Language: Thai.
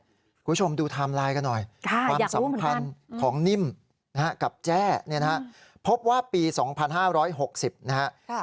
คุณผู้ชมดูไทม์ไลน์กันหน่อยความสำคัญของนิ่มกับแจ้นะครับพบว่าปี๒๕๖๐นะครับ